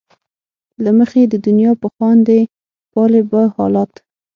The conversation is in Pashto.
له مخې د دنیا به خاندې ،پالې به حالات